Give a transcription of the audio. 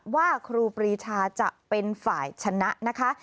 ครูปรีชาจะเป็นฝ่ายชนะนะคะ